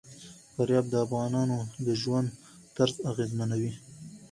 فاریاب د افغانانو د ژوند طرز اغېزمنوي.